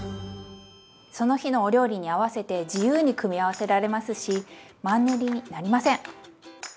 その日のお料理に合わせて自由に組み合わせられますしマンネリになりません！